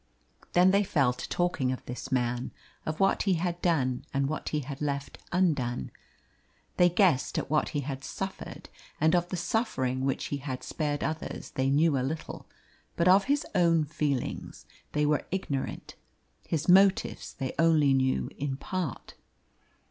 Then they fell to talking of this man, of what he had done and what he had left undone. They guessed at what he had suffered, and of the suffering which he had spared others they knew a little; but of his own feelings they were ignorant, his motives they only knew in part.